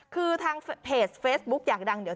คาดยันแขนด้วย